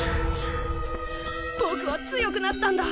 ぼくは強くなったんだ！